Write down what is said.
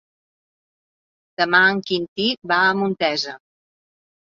Demà en Quintí va a Montesa.